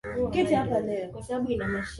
bei ya bidhaa inaweza kuwa juu sana